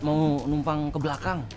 mau numpang ke belakang